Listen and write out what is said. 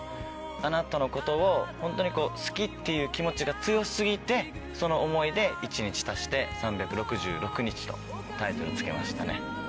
あなたのことをホントにこう好きっていう気持ちが強過ぎてその想いで。とタイトルに付けましたね。